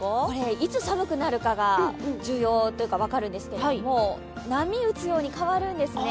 いつ寒くなるかが重要というか、分かるんですが、波打つように変わるんですね。